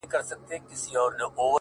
o هغه اوس گل ماسوم په غېږه كي وړي؛